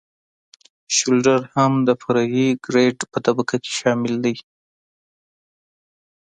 شولډر هم د فرعي ګریډ په طبقه کې شامل دی